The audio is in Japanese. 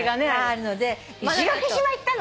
石垣島行ったの？